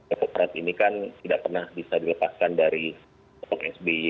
epokrat ini kan tidak pernah bisa dilepaskan dari sby